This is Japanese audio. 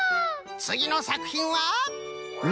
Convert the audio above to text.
つぎのさくひんは。